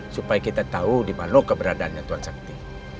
supaya kita tahu di mana keberadaannya tuan sakti